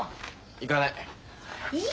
行かない。